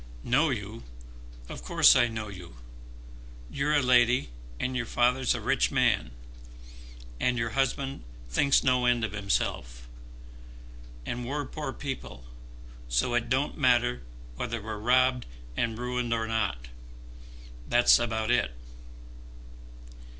"Know you! Of course I know you. You're a lady, and your father's a rich man, and your husband thinks no end of himself. And we're poor people, so it don't matter whether we're robbed and ruined or not. That's about it."